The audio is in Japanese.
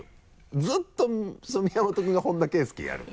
ずっと宮本君が本田圭佑やるの？